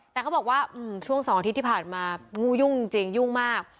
แต่เขาบอกว่าช่วง๒อาทิตย์ที่ผ่านมางูยุ่งจริงยุ่งมาก